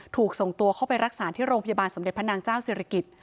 ถูกส่งตัวเข้าไปรักษาที่โรงพยาบาลสมเด็จพระนางเจ้าศิริกิจ